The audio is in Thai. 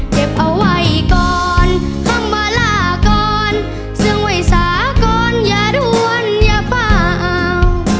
เก็บเอาไว้ก่อนคำว่าลาก่อนเสื้องไว้สาก่อนอย่าด้วนอย่าเปล่า